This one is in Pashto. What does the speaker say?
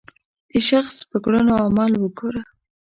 د شخص په کړنو او عمل وګوره.